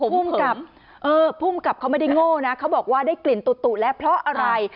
พึ่งกลับเค้าไม่ได้โง่นะเค้าบอกว่าได้กลิ่นตุ๋อแล้วเพราะอะไร